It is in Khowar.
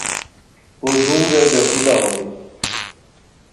پردوم رے بے خودہ ہوئے